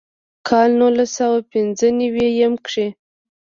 کال نولس سوه پينځۀ نوي يم کښې